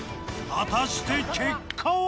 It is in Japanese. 果たして結果は？